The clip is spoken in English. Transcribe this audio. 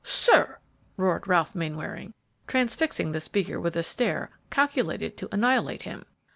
"Sir!" roared Ralph Mainwaring, transfixing the speaker with a stare calculated to annihilate him.